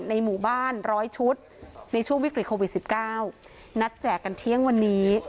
ในหมู่บ้านร้อยชุดในช่วงวิกฤตโควิด๑๙นัดแจกกันเที่ยงวันนี้